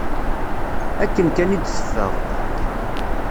Akken kan i d-teffeɣ.